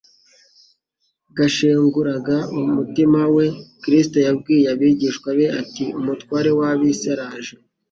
kashenguraga umutima we, Kristo yabwiye abigishwa be ati: «Umutware w'ab'isi araje